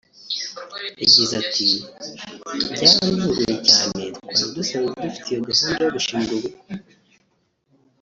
yagize ati “Byaranuguye cyane twari dusanzwe dufite iyo gahunda yo gushinga urugo